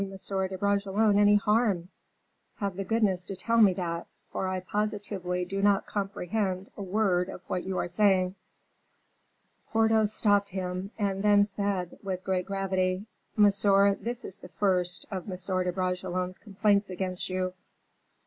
de Bragelonne any harm? Have the goodness to tell me that, for I positively do not comprehend a word of what you are saying." Porthos stopped him, and then said, with great gravity, "Monsieur, this is the first of M. de Bragelonne's complaints against you.